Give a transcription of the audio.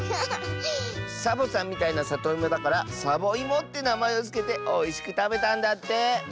サボさんみたいなさといもだから「サボいも」ってなまえをつけておいしくたべたんだって。